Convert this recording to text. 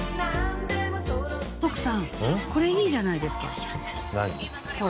徳さんこれいいじゃないですか。